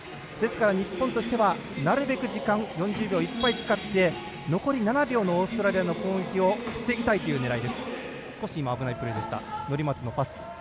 日本としてはなるべく時間４０秒いっぱいを使って残り７秒のオーストラリアの攻撃を防ぎたい狙い。